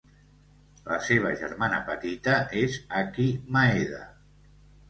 La seva germana petita és Aki Maeda.